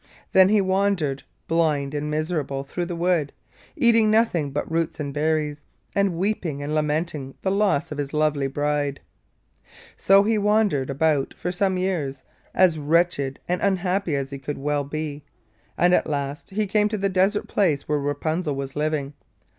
Then he wandered, blind and miserable, through the wood, eating nothing but roots and berries, and weeping and lamenting the loss of his lovely bride. So he wandered about for some years, as wretched and unhappy as he could well be, and at last he came to the desert place where Rapunzel was living.